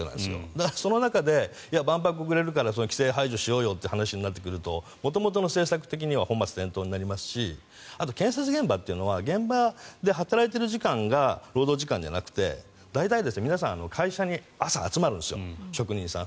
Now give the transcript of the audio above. だから、その中で万博遅れるから規制排除しようよという話になってくると元々の政策的には本末転倒になりますしあと、建設現場というのは現場で働いている時間が労働時間じゃなくて大体皆さん会社に朝集まるんですよ、職人さん。